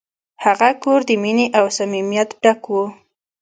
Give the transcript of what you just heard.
هغه کور د مینې او صمیمیت ډک و.